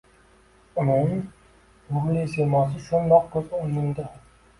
uning nurli siymosi shundoq koʻz oʻngimda.